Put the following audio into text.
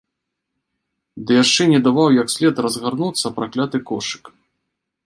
Ды яшчэ не даваў як след разгарнуцца пракляты кошык.